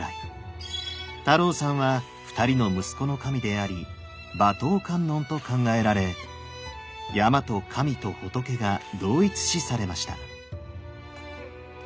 太郎山は２人の息子の神であり馬頭観音と考えられ山と神と仏が同一視されました。